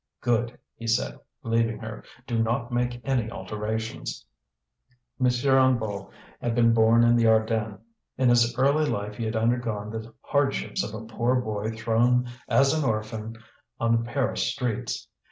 "Good!" he said, leaving her. "Do not make any alterations." M. Hennebeau had been born in the Ardennes. In his early life he had undergone the hardships of a poor boy thrown as an orphan on the Paris streets.